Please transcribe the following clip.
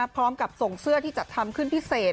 พร้อมกับส่งเสื้อที่จัดทำขึ้นพิเศษ